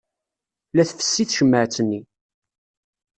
La tfessi tcemmaɛt-nni.